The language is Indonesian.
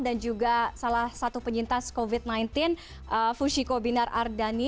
dan juga salah satu penyintas covid sembilan belas fushiko binar ardhani